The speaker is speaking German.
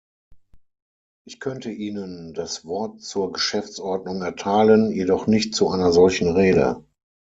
Ich könnte Ihnen das Wort zur Geschäftsordnung erteilen, jedoch nicht zu einer solchen Rede.